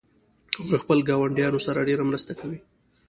هغوی خپل ګاونډیانو سره ډیره مرسته کوي